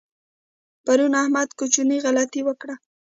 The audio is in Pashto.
پرون احمد کوچنۍ غلطۍ وکړه.